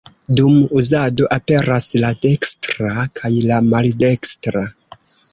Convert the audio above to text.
Dum uzado aperas la dekstra kaj la maldekstra.